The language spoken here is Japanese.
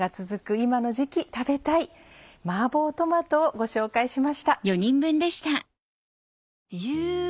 今の時期食べたい「マーボートマト」をご紹介しました。